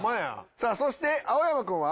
さあそして青山君は？